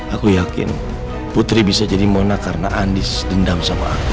aku yakin putri bisa jadi mona karena andis dendam sama aku